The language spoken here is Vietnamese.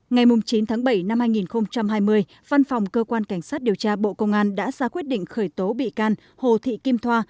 ngày chín tháng bảy năm hai nghìn hai mươi văn phòng cơ quan cảnh sát điều tra bộ công an đã ra quyết định khởi tố bị can hồ thị kim thoa